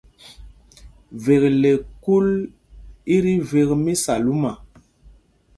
Vekle kûl i tí vek mí Salúma.